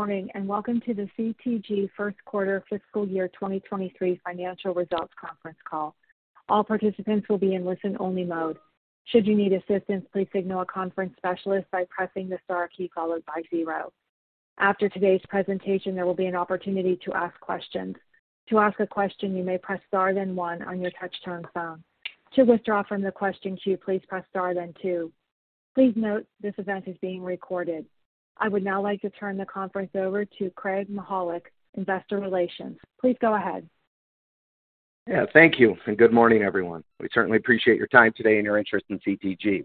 Good morning, welcome to the CTG Q1 Fiscal Year 2023 Financial Results Conference Call. All participants will be in listen-only mode. Should you need assistance, please signal a conference specialist by pressing the star key followed by zero. After today's presentation, there will be an opportunity to ask questions. To ask a question, you may press star then one on your touch-tone phone. To withdraw from the question queue, please press star then two. Please note this event is being recorded. I would now like to turn the conference over to Craig Mychajluk, Investor Relations. Please go ahead. Yeah. Thank you, good morning, everyone. We certainly appreciate your time today and your interest in CTG.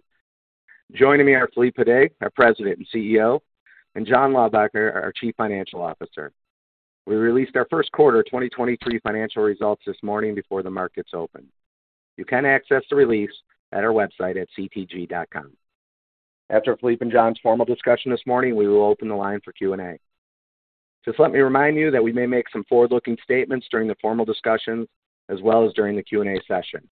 Joining me are Filip Gydé, our President and CEO, and John Laubacker, our Chief Financial Officer. We released our Q1 2023 financial results this morning before the markets opened. You can access the release at our website at ctg.com. After Filip and John's formal discussion this morning, we will open the line for Q&A. Just let me remind you that we may make some forward-looking statements during the formal discussions as well as during the Q&A session.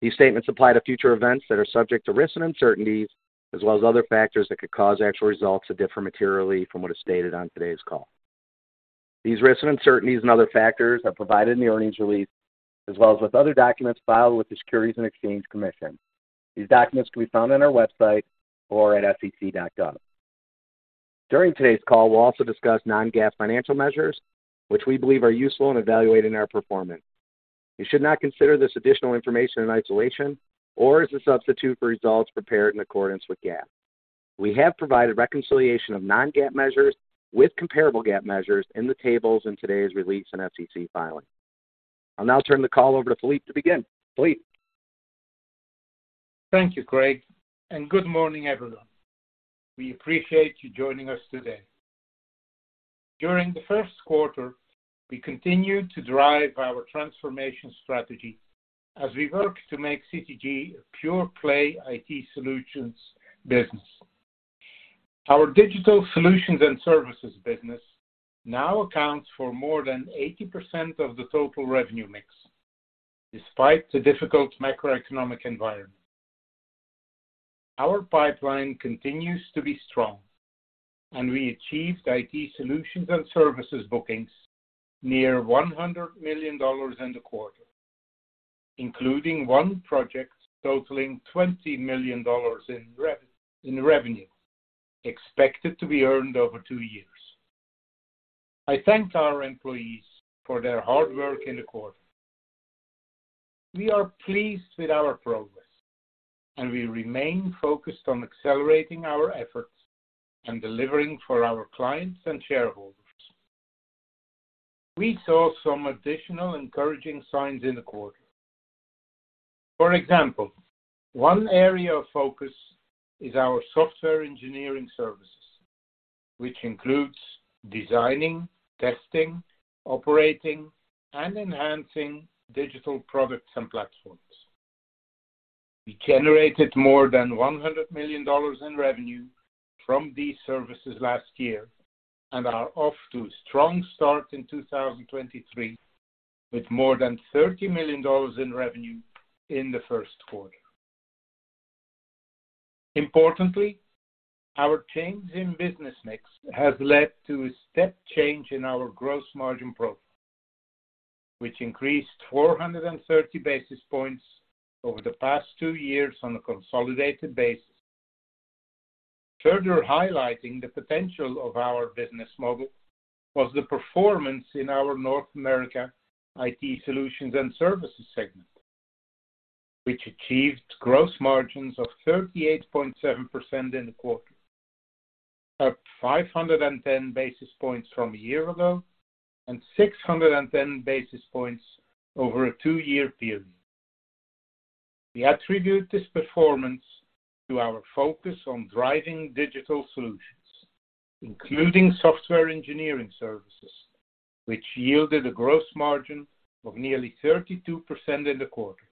These statements apply to future events that are subject to risks and uncertainties as well as other factors that could cause actual results to differ materially from what is stated on today's call. These risks and uncertainties and other factors are provided in the earnings release as well as with other documents filed with the Securities and Exchange Commission. These documents can be found on our website or at sec.gov. During today's call, we'll also discuss non-GAAP financial measures which we believe are useful in evaluating our performance. You should not consider this additional information in isolation or as a substitute for results prepared in accordance with GAAP. We have provided reconciliation of non-GAAP measures with comparable GAAP measures in the tables in today's release and SEC filing. I'll now turn the call over to Filip to begin. Filip? Thank you, Craig. Good morning, everyone. We appreciate you joining us today. During the Q1, we continued to drive our transformation strategy as we work to make CTG a pure-play IT solutions business. Our digital solutions and services business now accounts for more than 80% of the total revenue mix despite the difficult macroeconomic environment. Our pipeline continues to be strong. We achieved IT solutions and services bookings near $100 million in the quarter, including one project totaling $20 million in revenue expected to be earned over two years. I thank our employees for their hard work in the quarter. We are pleased with our progress. We remain focused on accelerating our efforts and delivering for our clients and shareholders. We saw some additional encouraging signs in the quarter. For example, one area of focus is our software engineering services, which includes designing, testing, operating, and enhancing digital products and platforms. We generated more than $100 million in revenue from these services last year and are off to a strong start in 2023 with more than $30 million in revenue in the Q1. Importantly, our change in business mix has led to a step change in our gross margin progress, which increased 430 basis points over the past two years on a consolidated basis. Further highlighting the potential of our business model was the performance in our North America IT solutions and services segment, which achieved gross margins of 38.7% in the quarter, up 510 basis points from a year ago and 610 basis points over a two-year period. We attribute this performance to our focus on driving digital solutions, including software engineering services, which yielded a gross margin of nearly 32% in the quarter,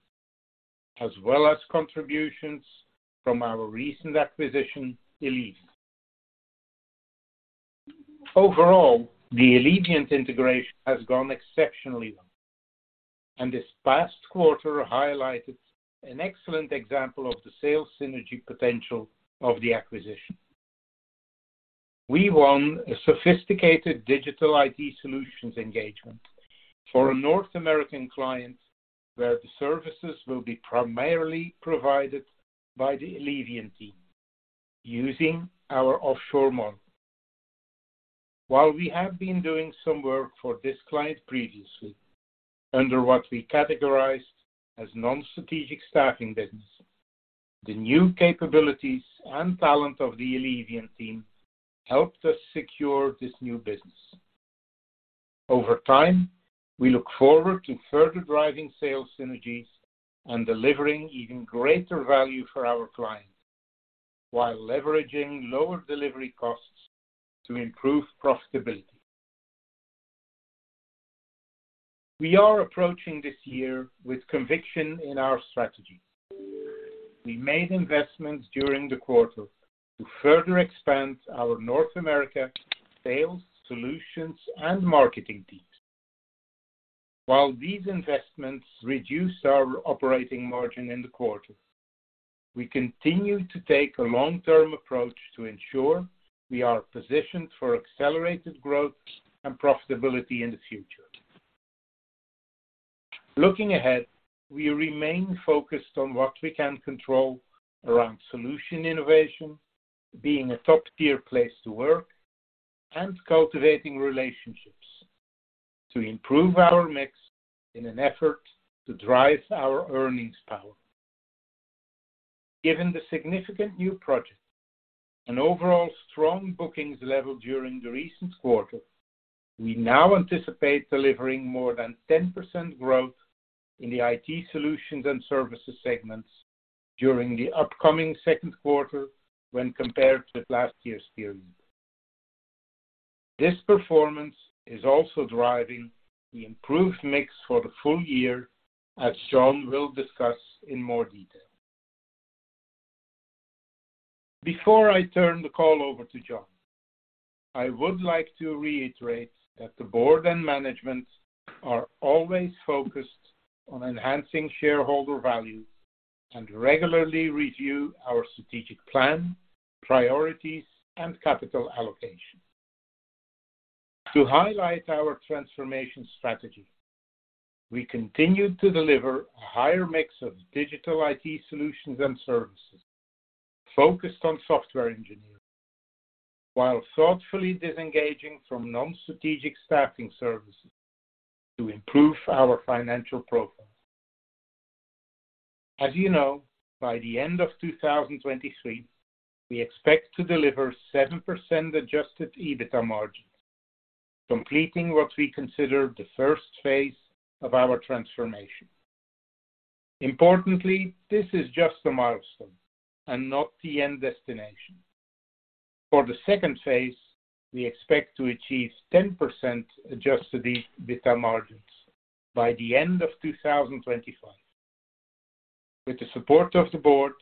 as well as contributions from our recent acquisition, Eleviant. Overall, the Eleviant integration has gone exceptionally well, and this past quarter highlighted an excellent example of the sales synergy potential of the acquisition. We won a sophisticated digital IT solutions engagement for a North American client where the services will be primarily provided by the Eleviant team using our offshore model. While we have been doing some work for this client previously under what we categorized as non-strategic staffing business, the new capabilities and talent of the Eleviant team helped us secure this new business. Over time, we look forward to further driving sales synergies and delivering even greater value for our clients while leveraging lower delivery costs to improve profitability. We are approaching this year with conviction in our strategy. We made investments during the quarter to further expand our North America sales, solutions, and marketing teams. While these investments reduced our operating margin in the quarter, we continue to take a long-term approach to ensure we are positioned for accelerated growth and profitability in the future. Looking ahead, we remain focused on what we can control around solution innovation, being a top-tier place to work, and cultivating relationships to improve our mix in an effort to drive our earnings power. Given the significant new projects and overall strong bookings level during the recent quarter, we now anticipate delivering more than 10% growth in the IT solutions and services segments during the upcoming Q2 when compared with last year's period. This performance is also driving the improved mix for the full year, as John will discuss in more detail. Before I turn the call over to John, I would like to reiterate that the board and management are always focused on enhancing shareholder value and regularly review our strategic plan, priorities, and capital allocation. To highlight our transformation strategy, we continue to deliver a higher mix of digital IT solutions and services focused on software engineering, while thoughtfully disengaging from non-strategic staffing services to improve our financial profile. As you know, by the end of 2023, we expect to deliver 7% adjusted EBITDA margin, completing what we consider the first phase of our transformation. Importantly, this is just a milestone and not the end destination. For the second phase, we expect to achieve 10% adjusted EBITDA margins by the end of 2025. With the support of the board,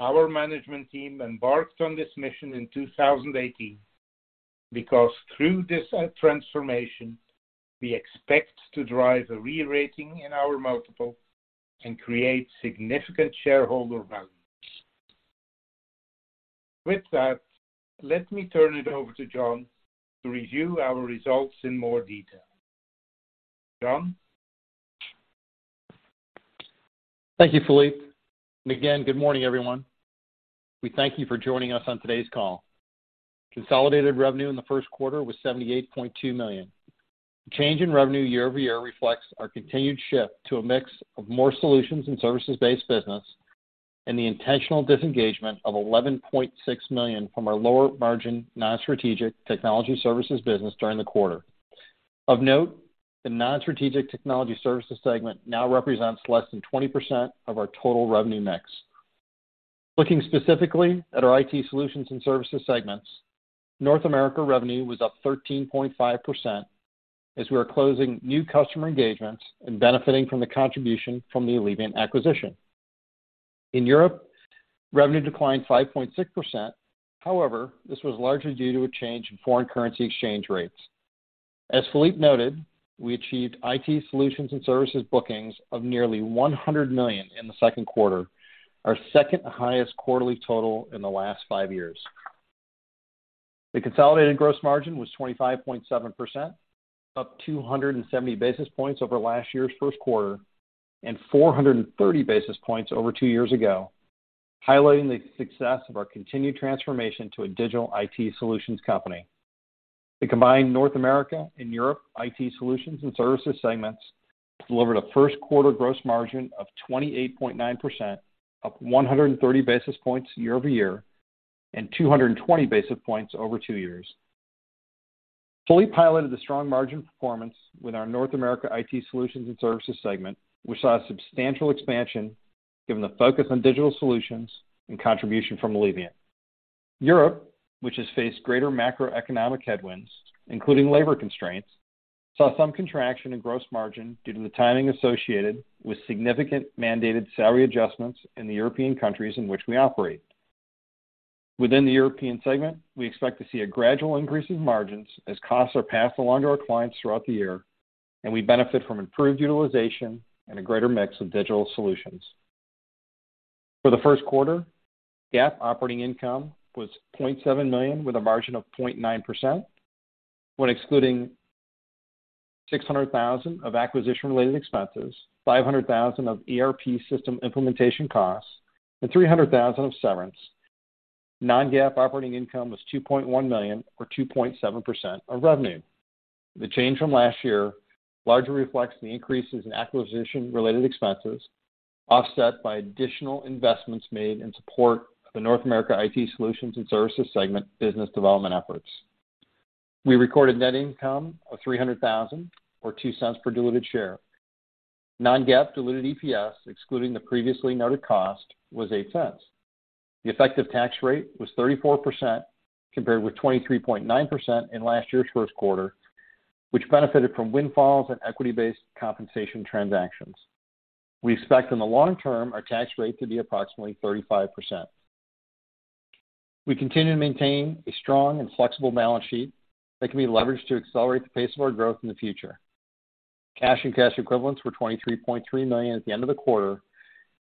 our management team embarked on this mission in 2018 because through this transformation, we expect to drive a re-rating in our multiple and create significant shareholder value. With that, let me turn it over to John to review our results in more detail. John? Thank you, Filip. Again, good morning, everyone. We thank you for joining us on today's call. Consolidated revenue in the Q1 was $78.2 million. Change in revenue year-over-year reflects our continued shift to a mix of more solutions and services-based business and the intentional disengagement of $11.6 million from our lower margin Non-Strategic Technology Services business during the quarter. Of note, the Non-Strategic Technology Services segment now represents less than 20% of our total revenue mix. Looking specifically at our digital solutions and services segments, North America revenue was up 13.5% as we are closing new customer engagements and benefiting from the contribution from the Eleviant acquisition. In Europe, revenue declined 5.6%. This was largely due to a change in foreign currency exchange rates. As Filip noted, we achieved digital solutions and services bookings of nearly $100 million in the Q2, our second-highest quarterly total in the last five years. The consolidated gross margin was 25.7%, up 270 basis points over last year's Q1, and 430 basis points over two years ago, highlighting the success of our continued transformation to a digital IT solutions company. The combined North America and Europe digital solutions and services segments delivered a Q1 gross margin of 28.9%, up 130 basis points year-over-year, and 220 basis points over two years. Filip piloted the strong margin performance with our North America digital solutions and services segment, which saw a substantial expansion given the focus on digital solutions and contribution from Eleviant Tech. Europe, which has faced greater macroeconomic headwinds, including labor constraints, saw some contraction in gross margin due to the timing associated with significant mandated salary adjustments in the European countries in which we operate. Within the European segment, we expect to see a gradual increase in margins as costs are passed along to our clients throughout the year and we benefit from improved utilization and a greater mix of digital solutions. For the Q1, GAAP operating income was $0.7 million with a margin of 0.9%. When excluding $600,000 of acquisition-related expenses, $500,000 of ERP system implementation costs, and $300,000 of severance, non-GAAP operating income was $2.1 million or 2.7% of revenue. The change from last year largely reflects the increases in acquisition-related expenses, offset by additional investments made in support of the North America digital solutions and services segment business development efforts. We recorded net income of $300,000 or $0.02 per diluted share. Non-GAAP diluted EPS, excluding the previously noted cost, was $0.08. The effective tax rate was 34%, compared with 23.9% in last year's Q1, which benefited from windfalls and equity-based compensation transactions. We expect in the long term our tax rate to be approximately 35%. We continue to maintain a strong and flexible balance sheet that can be leveraged to accelerate the pace of our growth in the future. Cash and cash equivalents were $23.3 million at the end of the quarter,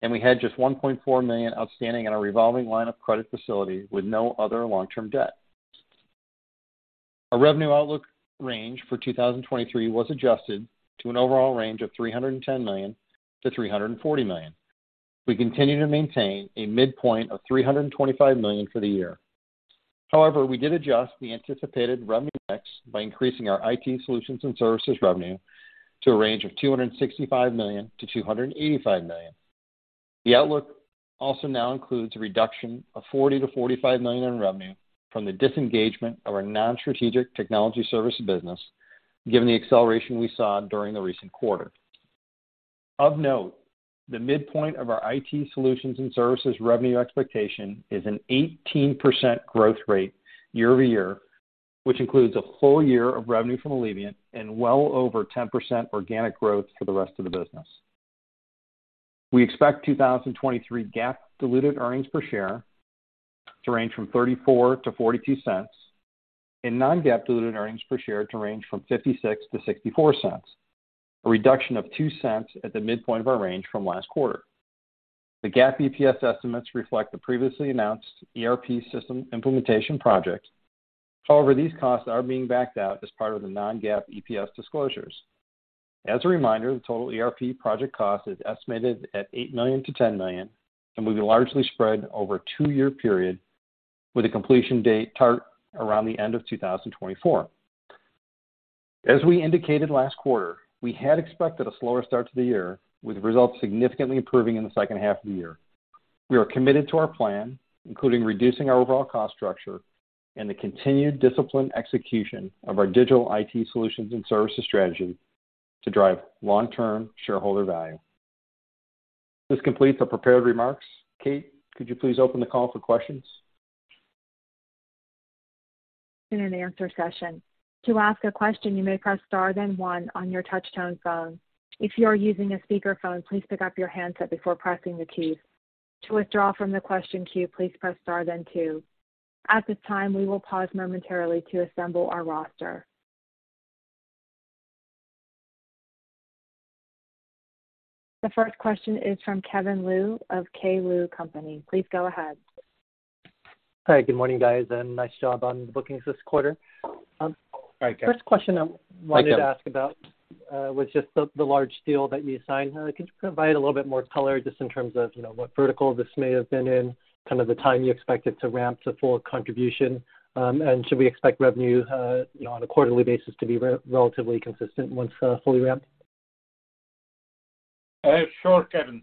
and we had just $1.4 million outstanding in our revolving line of credit facility with no other long-term debt. Our revenue outlook range for 2023 was adjusted to an overall range of $310 million to $340 million. We continue to maintain a midpoint of $325 million for the year. However, we did adjust the anticipated revenue mix by increasing our digital solutions and services revenue to a range of $265 million to $285 million. The outlook also now includes a reduction of $40 million to $45 million in revenue from the disengagement of our Non-Strategic Technology Services business, given the acceleration we saw during the recent quarter. Of note, the midpoint of our digital solutions and services revenue expectation is an 18% growth rate year-over-year, which includes a full year of revenue from Eleviant Tech and well over 10% organic growth for the rest of the business. We expect 2023 GAAP diluted earnings per share to range from $0.34 to $0.42 and non-GAAP diluted earnings per share to range from $0.56 to $0.64, a reduction of $0.02 at the midpoint of our range from last quarter. The GAAP EPS estimates reflect the previously announced ERP system implementation project. These costs are being backed out as part of the non-GAAP EPS disclosures. As a reminder, the total ERP project cost is estimated at $8 million to $10 million and will be largely spread over a two-year period with a completion date tart around the end of 2024. As we indicated last quarter, we had expected a slower start to the year, with results significantly improving in the H2 of the year. We are committed to our plan, including reducing our overall cost structure and the continued disciplined execution of our digital solutions and services strategy to drive long-term shareholder value. This completes our prepared remarks. Kate, could you please open the call for questions? In an answer session. To ask a question, you may press star then one on your touch-tone phone. If you are using a speakerphone, please pick up your handset before pressing the key. To withdraw from the question queue, please press star then two. At this time, we will pause momentarily to assemble our roster. The first question is from Kevin Liu of K. Liu & Company. Please go ahead. Hi. Good morning, guys, and nice job on the bookings this quarter. Hi, Kevin. First question. Hi, Kevin. To ask about was just the large deal that you signed? Could you provide a little bit more color just in terms of, you know, what vertical this may have been in, kind of the time you expect it to ramp to full contribution? Should we expect revenue, you know, on a quarterly basis to be relatively consistent once fully ramped? Sure, Kevin.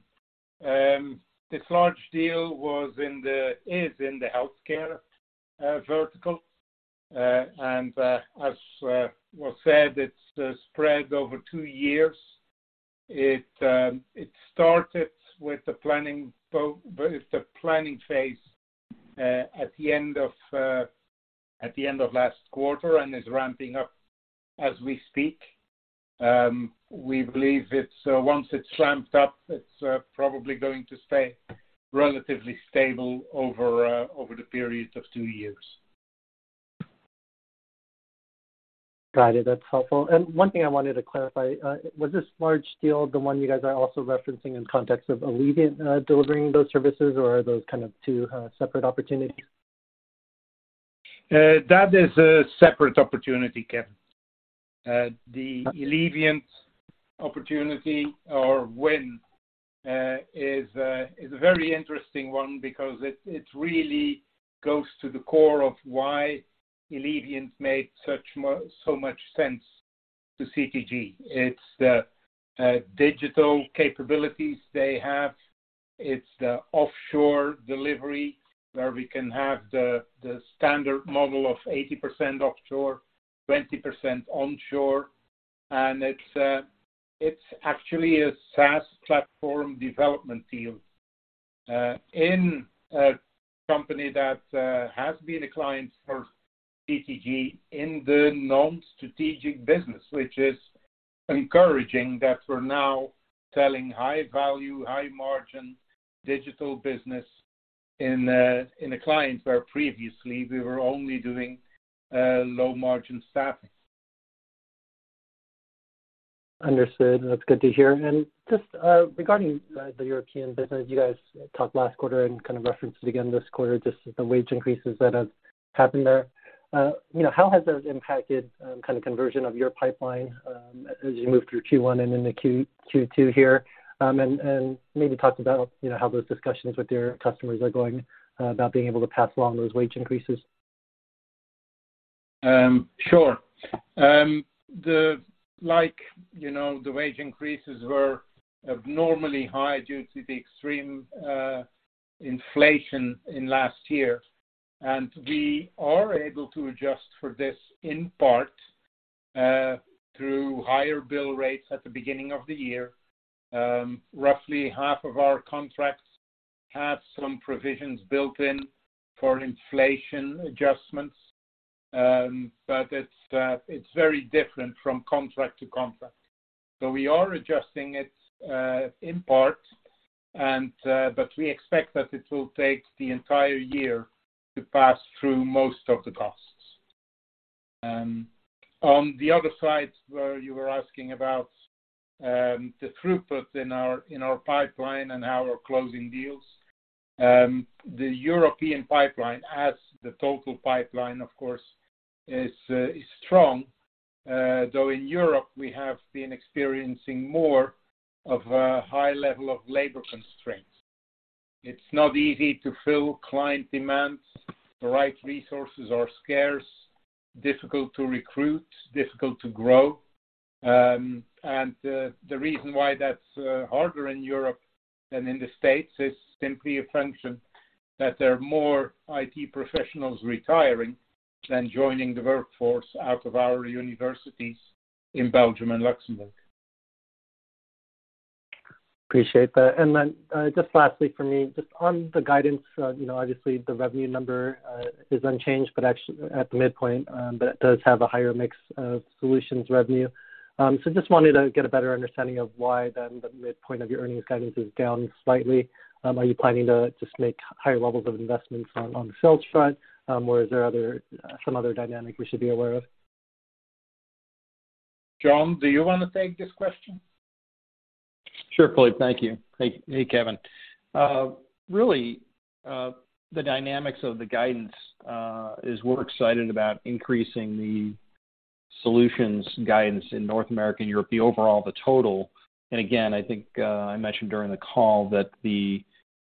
This large deal is in the healthcare vertical. As was said, it's spread over two years. It started with the planning phase at the end of last quarter and is ramping up as we speak. We believe it's once it's ramped up, it's probably going to stay relatively stable over the period of two years. Got it. That's helpful. One thing I wanted to clarify, was this large deal the one you guys are also referencing in context of Eleviant, delivering those services, or are those kind of two, separate opportunities? That is a separate opportunity, Kevin Liu. The Eleviant Tech opportunity or win, is a very interesting one because it really goes to the core of why Eleviant Tech made such so much sense to CTG. It's the digital capabilities they have. It's the offshore delivery, where we can have the standard model of 80% offshore, 20% onshore. It's actually a SaaS platform development deal, in a company that has been a client for CTG in the Non-Strategic business, which is encouraging that we're now selling high value, high margin digital business in a client where previously we were only doing low margin staffing. Understood. That's good to hear. Just regarding the European business, you guys talked last quarter and kind of referenced it again this quarter, just the wage increases that have happened there. You know, how has those impacted kind of conversion of your pipeline as you move through Q1 and into Q2 here? Maybe talk about, you know, how those discussions with your customers are going about being able to pass along those wage increases? Sure. You know, the wage increases were abnormally high due to the extreme inflation in last year. We are able to adjust for this in part through higher bill rates at the beginning of the year. Roughly half of our contracts have some provisions built in for inflation adjustments, but it's very different from contract to contract. We are adjusting it in part and we expect that it will take the entire year to pass through most of the costs. On the other side, where you were asking about the throughput in our pipeline and how we're closing deals. The European pipeline as the total pipeline, of course, is strong. Though in Europe, we have been experiencing more of a high level of labor constraints. It's not easy to fill client demands. The right resources are scarce, difficult to recruit, difficult to grow. The reason why that's harder in Europe than in the States is simply a function that there are more IT professionals retiring than joining the workforce out of our universities in Belgium and Luxembourg. Appreciate that. Then, just lastly for me, just on the guidance, you know, obviously, the revenue number, is unchanged, but actually at the midpoint, but it does have a higher mix of solutions revenue. Just wanted to get a better understanding of why then the midpoint of your earnings guidance is down slightly. Are you planning to just make higher levels of investments on the sales front? Or is there some other dynamic we should be aware of? John, do you wanna take this question? Sure, Filip. Thank you. Hey, Kevin. really, the dynamics of the guidance is we're excited about increasing the solutions guidance in North America and Europe, the overall, the total. Again, I mentioned during the call that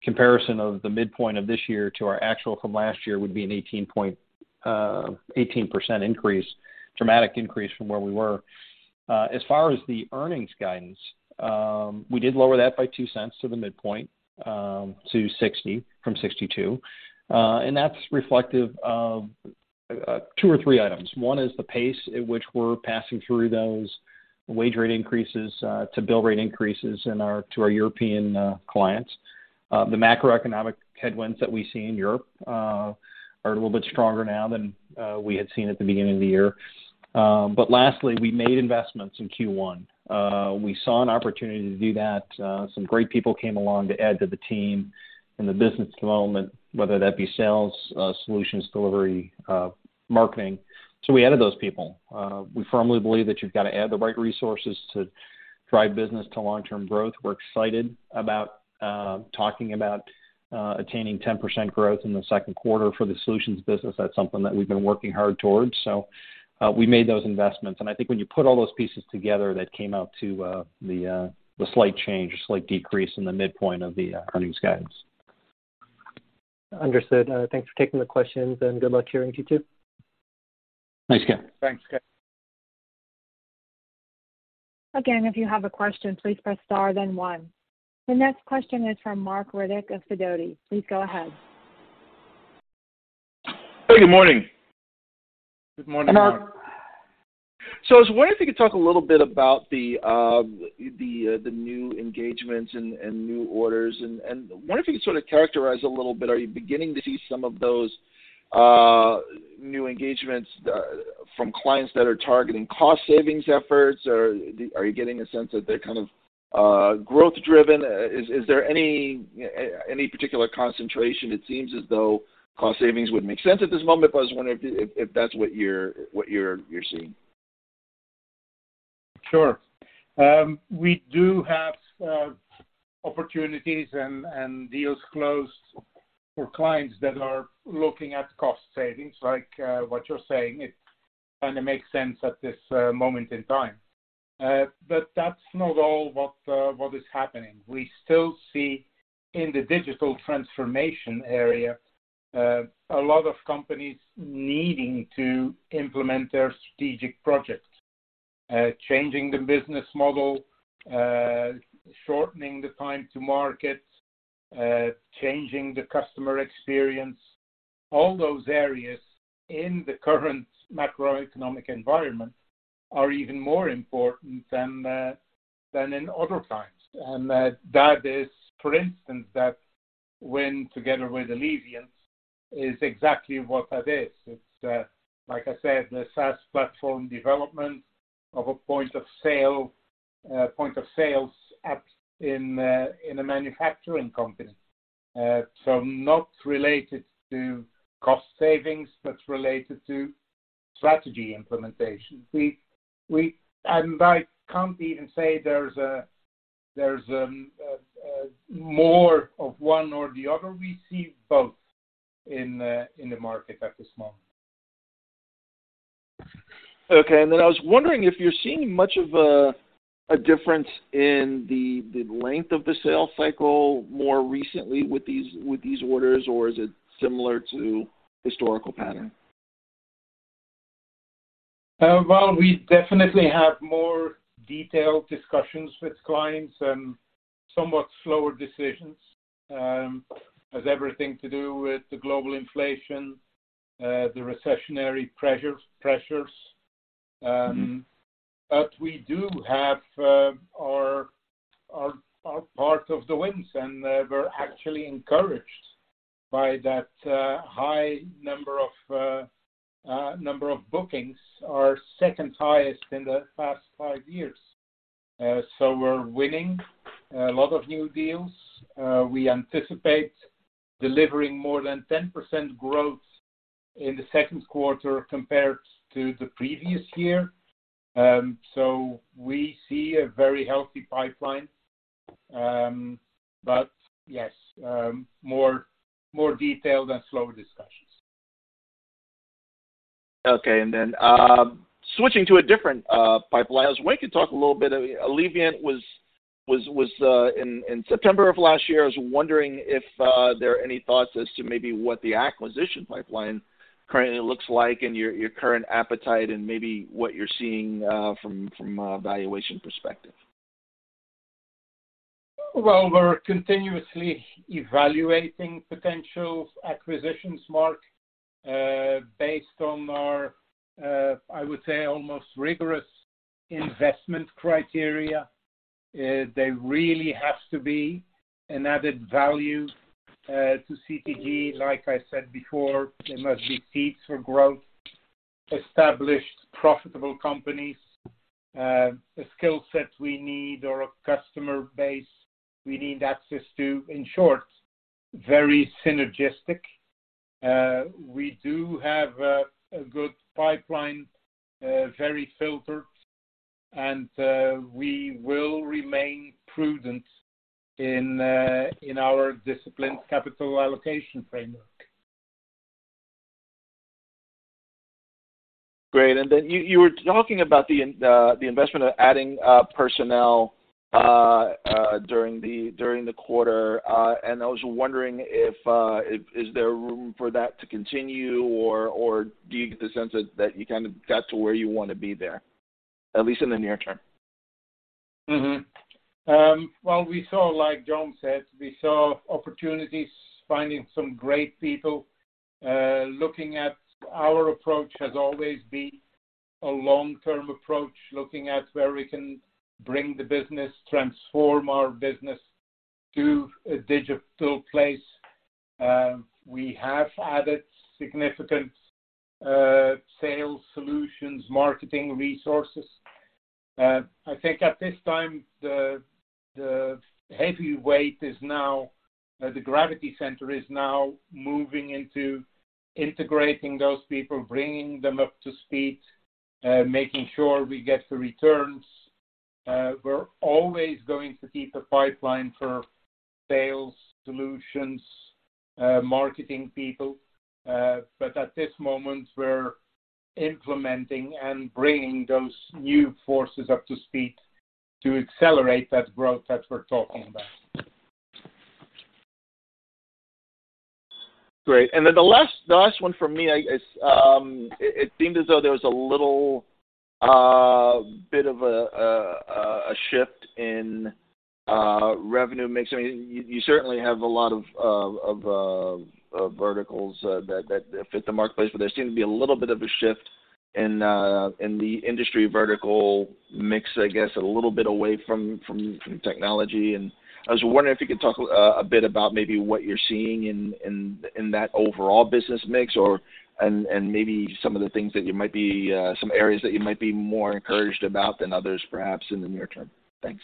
the comparison of the midpoint of this year to our actual from last year would be an 18% increase, dramatic increase from where we were. As far as the earnings guidance, we did lower that by $0.02 to the midpoint, to 60 from 62. That's reflective of two or three items. One is the pace at which we're passing through those wage rate increases to bill rate increases to our European clients. The macroeconomic headwinds that we see in Europe are a little bit stronger now than we had seen at the beginning of the year. Lastly, we made investments in Q1. We saw an opportunity to do that. Some great people came along to add to the team in the business development, whether that be sales, solutions delivery, marketing. We added those people. We firmly believe that you've got to add the right resources to drive business to long-term growth. We're excited about talking about attaining 10% growth in the Q2 for the solutions business. That's something that we've been working hard towards. We made those investments. I think when you put all those pieces together, that came out to the slight change or slight decrease in the midpoint of the earnings guidance. Understood. thanks for taking the questions, and good luck here in Q2. Thanks, Kevin. Thanks, Kevin. Again, if you have a question, please press Star then one. The next question is from Marc Riddick of Sidoti. Please go ahead. Hey, good morning. Good morning, Marc. I was wondering if you could talk a little bit about the new engagements and new orders. I wonder if you could sort of characterize a little bit, are you beginning to see some of those new engagements from clients that are targeting cost savings efforts? Are you getting a sense that they're kind of growth-driven? Is there any particular concentration? It seems as though cost savings would make sense at this moment, but I was wondering if that's what you're seeing. Sure. We do have opportunities and deals closed for clients that are looking at cost savings, like what you're saying. It makes sense at this moment in time. That's not all what is happening. We still see in the digital transformation area a lot of companies needing to implement their strategic projects. Changing the business model, shortening the time to market, changing the customer experience. All those areas in the current macroeconomic environment are even more important than in other times. That is, for instance, that win together with Eleviant Tech is exactly what that is. It's like I said, the SaaS platform development of a point of sales app in a manufacturing company. Not related to cost savings, but related to strategy implementation. I can't even say there's more of one or the other. We see both in the market at this moment. Okay. I was wondering if you're seeing much of a difference in the length of the sales cycle more recently with these orders, or is it similar to historical pattern? Well, we definitely have more detailed discussions with clients and somewhat slower decisions. Has everything to do with the global inflation, the recessionary pressures. We do have, are part of the wins, and we're actually encouraged by that, high number of, number of bookings, our second highest in the past five years. We're winning a lot of new deals. We anticipate delivering more than 10% growth in the Q2 compared to the previous year. We see a very healthy pipeline. Yes, more detailed and slower discussions. Okay. Switching to a different pipeline. I was wondering if you could talk a little bit. Eleviant Tech was in September of last year. I was wondering if there are any thoughts as to maybe what the acquisition pipeline currently looks like and your current appetite and maybe what you're seeing from a valuation perspective. We're continuously evaluating potential acquisitions, Marc, based on our, I would say almost rigorous investment criteria. They really have to be an added value to CTG. Like I said before, they must be seeds for growth, established, profitable companies. A skill set we need or a customer base we need access to. In short, very synergistic. We do have a good pipeline, very filtered, we will remain prudent in our disciplined capital allocation framework. Great. Then you were talking about the investment of adding, personnel, during the quarter, and I was wondering if, is there room for that to continue, or do you get the sense that you kind of got to where you wanna be there, at least in the near term? We saw, like John said, we saw opportunities finding some great people, looking at our approach has always been a long-term approach, looking at where we can bring the business, transform our business to a digital place. We have added significant, sales solutions, marketing resources. I think at this time, the gravity center is now moving into integrating those people, bringing them up to speed, making sure we get the returns. We're always going to keep a pipeline for sales solutions, marketing people. At this moment we're implementing and bringing those new forces up to speed to accelerate that growth that we're talking about. Great. The last one from me, I guess, it seemed as though there was a little bit of a shift in revenue mix. I mean, you certainly have a lot of verticals that fit the marketplace, but there seemed to be a little bit of a shift in the industry vertical mix, I guess, a little bit away from technology. I was wondering if you could talk a bit about maybe what you're seeing in that overall business mix or maybe some of the things that you might be some areas that you might be more encouraged about than others perhaps in the near term. Thanks.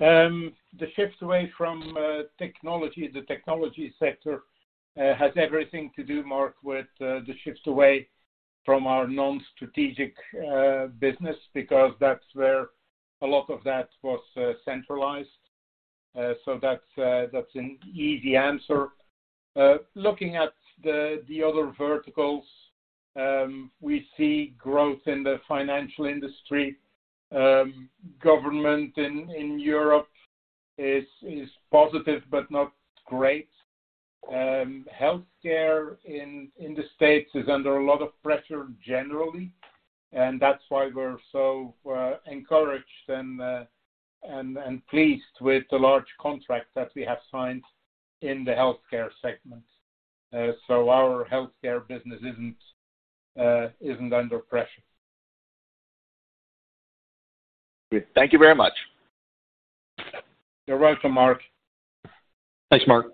The shift away from technology, the technology sector, has everything to do, Marc, with the shifts away from our non-strategic business because that's where a lot of that was centralized. That's an easy answer. Looking at the other verticals, we see growth in the financial industry. Government in Europe is positive but not great. Healthcare in the States is under a lot of pressure generally, and that's why we're so encouraged and pleased with the large contract that we have signed in the healthcare segment. Our healthcare business isn't under pressure. Thank you very much. You're welcome, Marc. Thanks, Marc.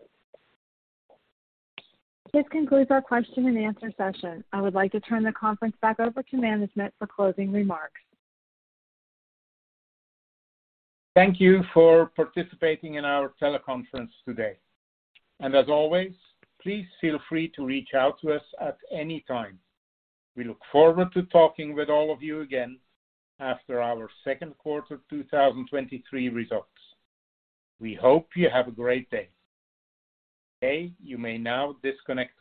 This concludes our question and answer session. I would like to turn the conference back over to management for closing remarks. Thank you for participating in our teleconference today. As always, please feel free to reach out to us at any time. We look forward to talking with all of you again after our Q2 2023 results. We hope you have a great day. Okay, you may now disconnect your